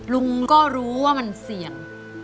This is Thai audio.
ลุงก็รู้ว่ามันเสี่ยง